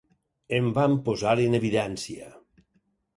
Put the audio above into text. Em van posar en evidència.